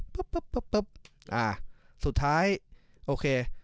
ปุ๊บปุ๊บปุ๊บปุ๊บอ่าสุดท้ายโอเค